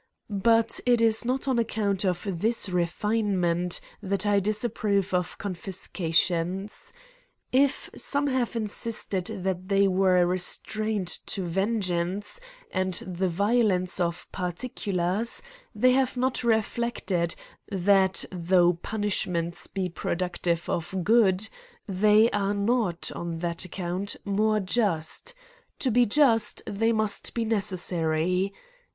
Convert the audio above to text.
But it is not on ac count of this refinement that I disapprove of con fiscations. If some have insisted, that they were a restraint to vengeance and the violence of par ticulars, they have not reflected, that, though punishments be productive of good, they are not, on that account, more just ; to be just, they must be necessary.